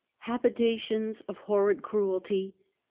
HABITATIONS OF HOEEID CEUELTY.